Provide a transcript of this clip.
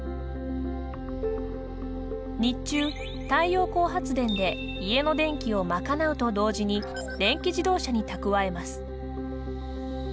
日中太陽光発電で家の電気を賄うと同時に電気自動車に蓄えます。